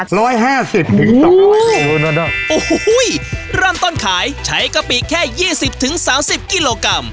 ๑๕๐๒๐๐กิโลกรัมโอ้ยร่ำต้นขายใช้กะปิกแค่๒๐๓๐กิโลกรัม